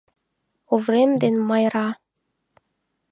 Оврем ден Майра!